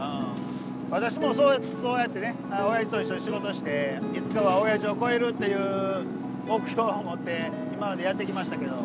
私もそうやってねおやじと一緒に仕事していつかはおやじを越えるっていう目標を持って今までやってきましたけど。